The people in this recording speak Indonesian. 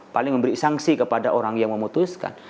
paling memberi sanksi kepada orang yang memutuskan